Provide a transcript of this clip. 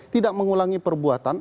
tidak mengulangi perbuatan